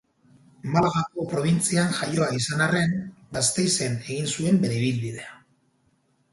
Malagako probintzian jaioa izan arren, Gasteizen egin zuen bere ibilbidea.